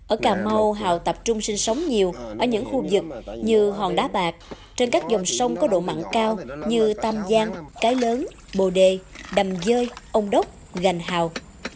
ở cà mau hào tập trung sinh sống nhiều ở những khu vực như hòn đá bạc trên các dòng sông có độ mặn cao như tam giang cái lớn bồ đề đầm dơi ông đốc gành hào